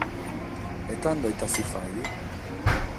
E tando ite si faghet?